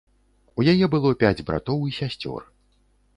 У яе было пяць братоў і сясцёр.